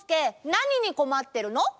なににこまってるの？